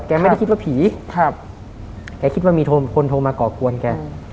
ไม่ได้คิดว่าผีครับแกคิดว่ามีคนโทรมาก่อกวนแก